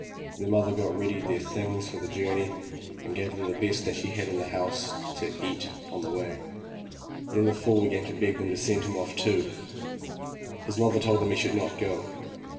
The mother got ready their things for the journey, and gave them the best she had in the house to eat on the way. Then the fool began to beg them to send him off too. His mother told him he should not go.